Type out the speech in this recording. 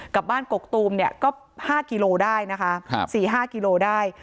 กับบ้านกกตูมเนี่ยก็ห้ากิโลได้นะคะครับสี่ห้ากิโลได้